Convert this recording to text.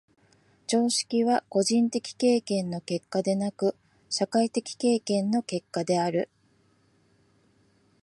常識は個人的経験の結果でなく、社会的経験の結果である。